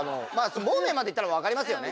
モーメンまでいったら分かりますよね。